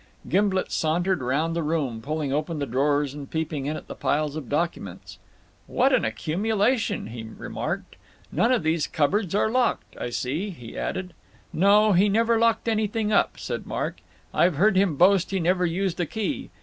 Gimblet sauntered round the room, pulling open the drawers and peeping in at the piles of documents. "What an accumulation!" he remarked. "None of these cupboards are locked, I see," he added. "No, he never locked anything up," said Mark. "I've heard him boast he never used a key.